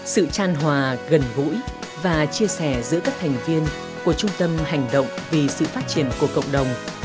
sự tràn hòa gần gũi và chia sẻ giữa các thành viên của trung tâm hành động vì sự phát triển của cộng đồng